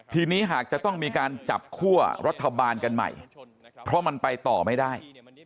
ทีนี้หากจะต้องมีการจับคั่วรัฐบาลกันใหม่เพราะมันไปต่อไม่ได้